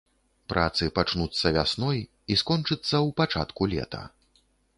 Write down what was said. Працы пачнуцца вясной і скончыцца ў пачатку лета.